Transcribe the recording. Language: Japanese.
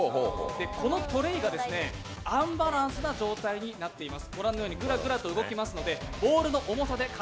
このトレーがアンバランスな状態になっています。